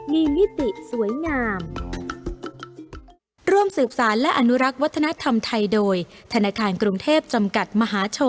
มีมิติสวยงาม